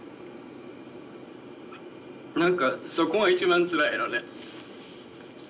「なんかそこが一番つらいのね」。